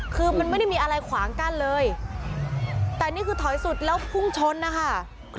คือมันไม่ได้มีอะไรขวางกั้นเลยแต่นี่คือถอยสุดแล้วพุ่งชนนะคะ